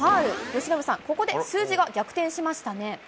由伸さん、ここで数字が逆転しましたね。